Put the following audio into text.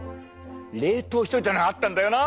冷凍しといたのがあったんだよな。